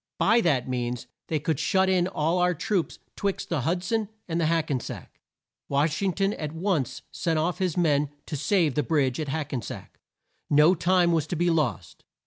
By that means they could shut in all our troops 'twixt the Hud son and the Hack en sack. Wash ing ton at once sent off his men to save the bridge at Hack en sack. No time was to be lost.